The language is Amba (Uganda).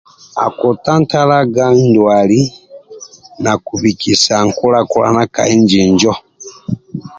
Akwetantalaga ndwali nakubikisa nkula kulana ka inji injo